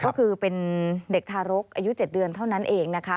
ก็คือเป็นเด็กทารกอายุ๗เดือนเท่านั้นเองนะคะ